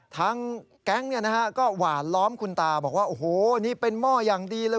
แก๊งก็หวานล้อมคุณตาบอกว่าโอ้โหนี่เป็นหม้ออย่างดีเลย